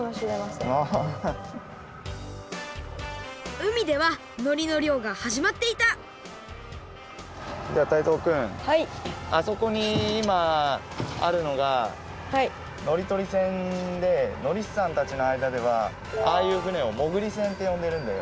うみではのりのりょうがはじまっていたじゃあタイゾウくんあそこにいまあるのがのりとり船でのりしさんたちのあいだではああいう船をもぐり船ってよんでるんだよ。